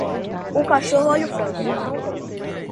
O cachorro olha o frango, mas não come